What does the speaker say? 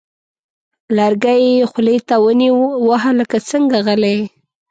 لرګی یې خولې ته ونیوه: وه هلکه څنګه غلی یې!؟